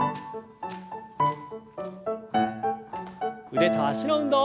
腕と脚の運動。